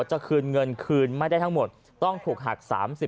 จะคืนเงินคืนไม่ได้ทั้งหมดต้องถูกหัก๓๐